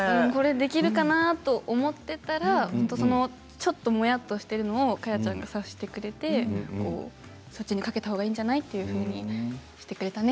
できるかなと思っていたらちょっともやっとしているのを果耶ちゃんが察してくれてそっちに掛けたほうがいいんじゃないというふうにしてくれたね。